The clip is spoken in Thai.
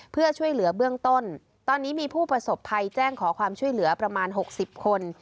เพื่อช่วยเหลือเบื้องต้นตอนนี้มีผู้ประสบภัยแจ้งขอความช่วยเหลือประมาณ๖๐คน